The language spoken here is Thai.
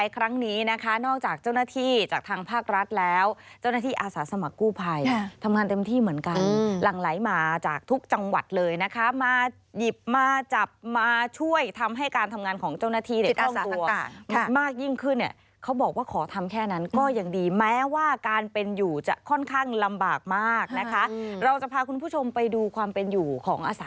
ครั้งนี้นะคะนอกจากเจ้าหน้าที่จากทางภาครัฐแล้วเจ้าหน้าที่อาสาสมัครกู้ภัยทำงานเต็มที่เหมือนกันหลั่งไหลมาจากทุกจังหวัดเลยนะคะมาหยิบมาจับมาช่วยทำให้การทำงานของเจ้าหน้าที่เนี่ยรักษาอากาศมากยิ่งขึ้นเนี่ยเขาบอกว่าขอทำแค่นั้นก็ยังดีแม้ว่าการเป็นอยู่จะค่อนข้างลำบากมากนะคะเราจะพาคุณผู้ชมไปดูความเป็นอยู่ของอาสา